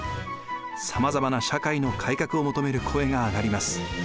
さまざまな社会の改革を求める声が上がります。